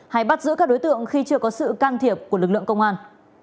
hay bắt giữ các đối tượng khi chưa có sự can thiệp của lực lượng công an